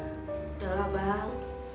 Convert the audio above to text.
udah lah bang